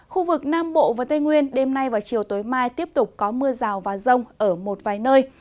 khu vực nam bộ và tây nguyên đêm nay và chiều tối mai tiếp tục có mưa rào và rông ở một vài nơi